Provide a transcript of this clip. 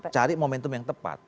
cari momentum yang tepat